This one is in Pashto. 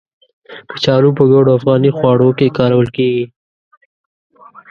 کچالو په ګڼو افغاني خواړو کې کارول کېږي.